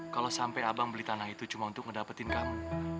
kalau sampai abang beli tanah itu cuma untuk ngedapetin kamu